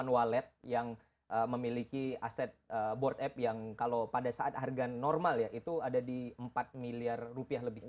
walet yang memiliki aset board up yang kalau pada saat harga normal ya itu ada di empat miliar rupiah lebih